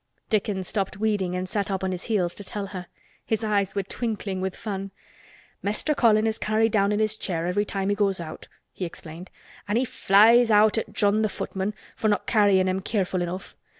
Dickon stopped weeding and sat up on his heels to tell her. His eyes were twinkling with fun. "Mester Colin is carried down to his chair every time he goes out," he explained. "An' he flies out at John, th' footman, for not carryin' him careful enough.